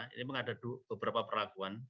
ini mengadu beberapa perlakuan